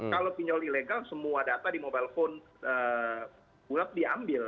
kalau pinjol ilegal semua data di mobile phone ulap diambil